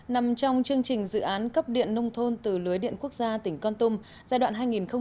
nằm trong chương trình dự án cấp điện nông thôn từ lưới điện quốc gia tỉnh con tum giai đoạn hai nghìn một mươi sáu hai nghìn hai mươi